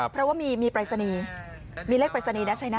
เพราะว่ามีปรายศนีย์มีเลขปรายศนีย์นะชัยนะ